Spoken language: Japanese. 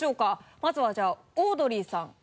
まずはじゃあオードリーさん。